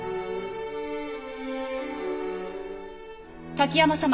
滝山様